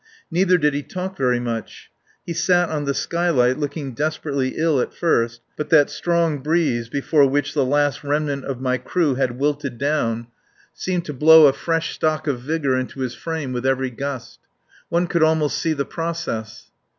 Neither did he talk very much. He sat on the skylight looking desperately ill at first, but that strong breeze, before which the last remnant of my crew had wilted down, seemed to blow a fresh stock of vigour into his frame with every gust. One could almost see the process.